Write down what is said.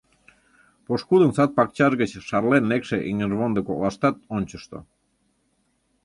Пошкудын сад-пакчаж гыч шарлен лекше эҥыжвондо коклаштат ончышто.